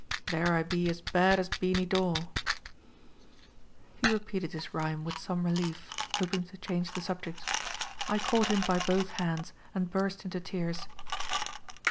There I be as bad as Beany Dawe." He repeated his rhyme, with some relief, hoping to change the subject. I caught him by both hands, and burst into tears.